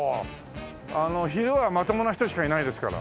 昼はまともな人しかいないですから。